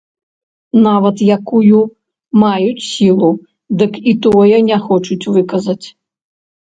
Нават якую маюць сілу, дык і тое не хочуць выказаць.